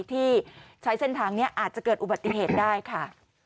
ที่ใช้เส้นทางนี้อาจจะเกิดอุบัติเหตุได้ค่ะ